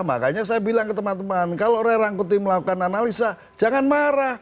makanya saya bilang ke teman teman kalau ray rangkuti melakukan analisa jangan marah